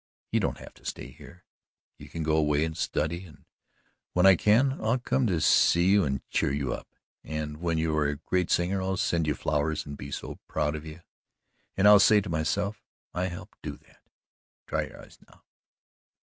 You don't have to stay here. You can go away and study, and when I can, I'll come to see you and cheer you up; and when you are a great singer, I'll send you flowers and be so proud of you, and I'll say to myself, 'I helped do that.' Dry your eyes, now.